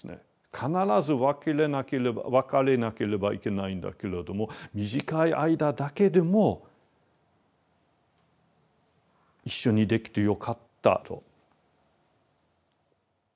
必ず別れなければいけないんだけれども短い間だけでも一緒にできてよかったと。